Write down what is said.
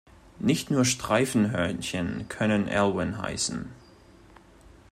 Nicht nur Streifenhörnchen können Alwin heißen.